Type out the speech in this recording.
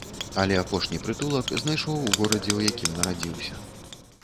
Але апошні прытулак знайшоў у горадзе, у якім нарадзіўся.